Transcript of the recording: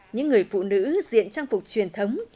những người phụ nữ diễn trang phục truyền thống